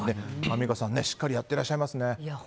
アンミカさんしっかりやってらっしゃいますね。